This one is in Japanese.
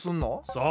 そう。